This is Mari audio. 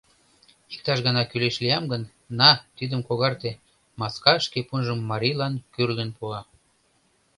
Иктаж-гана кӱлеш лиям гын, на, тидым когарте, — маска шке пунжым марийлан кӱрлын пуа.